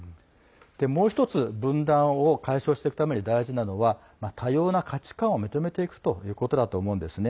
もう１つ、分断を解消していくために大事なのは多様な価値観を認めていくということだと思うんですね。